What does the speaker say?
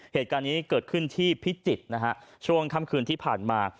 เหตุการณ์นี้เกิดขึ้นที่พิจิตรนะฮะช่วงค่ำคืนที่ผ่านมา